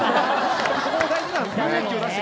そこも大事なんですね。